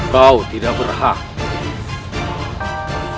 kau tidak berhak